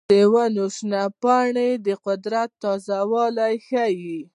د ونو شنه پاڼې د قدرت تازه والی ښيي.